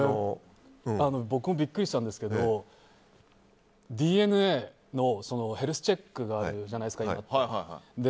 僕もビックリしたんですけどＤＮＡのヘルスチェックがあるじゃないですか今って。